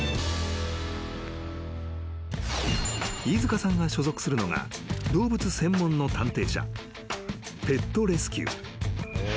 ［飯塚さんが所属するのが動物専門の探偵社ペットレスキュー］